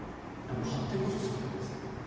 発展こそ全てです。